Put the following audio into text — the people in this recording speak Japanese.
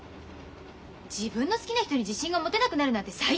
自分の好きな人に自信が持てなくなるなんて最低！